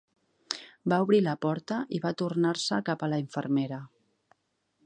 Va obrir la porta i va tornar-se cap a la infermera.